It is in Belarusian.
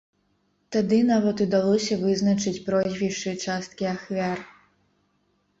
Тады нават удалося вызначыць прозвішчы часткі ахвяр.